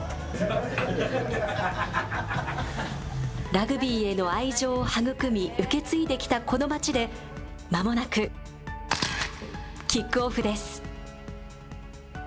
ラグビーへの愛情を育み、受け継いできたこの街で、まもなく、キックオフです。